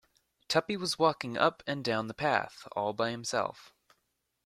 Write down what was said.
Tuppy was walking up and down the path, all by himself.